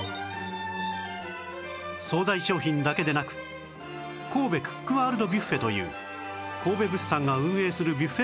惣菜商品だけでなく神戸クック・ワールドビュッフェという神戸物産が運営するビュッフェ